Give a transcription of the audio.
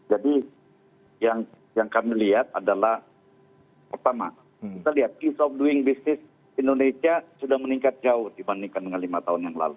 jadi yang kami lihat adalah pertama kita lihat ease of doing business indonesia sudah meningkat jauh dibandingkan dengan lima tahun yang lalu